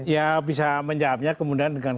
ya bisa menjawabnya kemudian dengan